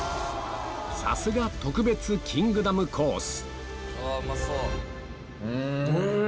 さすが特別キングダムコース